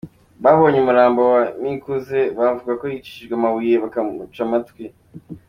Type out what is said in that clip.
Ababonye umurambo wa Nikuze bavuga ko yicishijwe amabuye bakamuca amatwi.